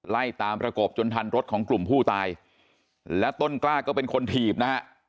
ไล่ตามประกบจนทันรถของกลุ่มผู้ตายและต้นกล้าก็เป็นคนถีบนะฮะ